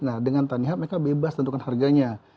nah dengan tanihub mereka bebas tentukan harganya